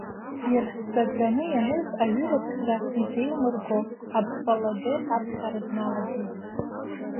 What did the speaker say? Ирссаӡаны ианыз аҩыра цқьа изеилмырго, Апполодор аԥхьара дналагеит…